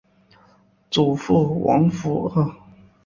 祖父黄福二。